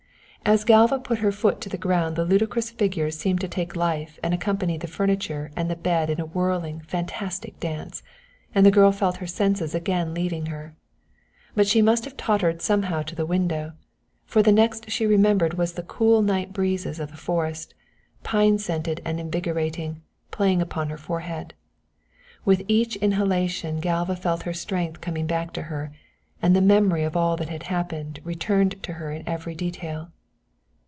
As Galva put her foot to the ground the ludicrous figures seemed to take life and accompany the furniture and the bed in a whirling, fantastic dance, and the girl felt her senses again leaving her. But she must have tottered somehow to the window, for the next she remembered was the cool night breezes of the forest, pine scented and invigorating, playing upon her forehead. With each inhalation Galva felt her strength coming back to her, and the memory of all that had happened returned to her in every detail.